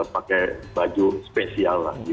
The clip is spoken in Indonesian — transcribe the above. pakai baju spesial lagi